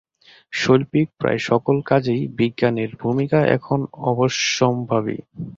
শৈল্পিক প্রায় সকল কাজেই বিজ্ঞানের ভূমিকা এখন অবশ্যম্ভাবী।